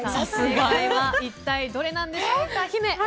正解は一体どれなんでしょうか。